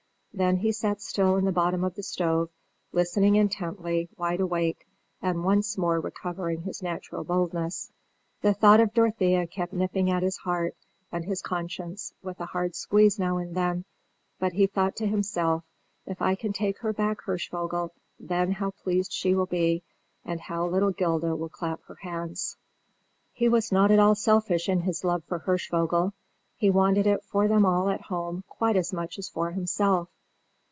Then he sat still in the bottom of the stove, listening intently, wide awake, and once more recovering his natural boldness. The thought of Dorothea kept nipping his heart and his conscience with a hard squeeze now and then; but he thought to himself, "If I can take her back Hirschvogel then how pleased she will be, and how little 'Gilda will clap her hands!" He was not at all selfish in his love for Hirschvogel: he wanted it for them all at home quite as much as for himself.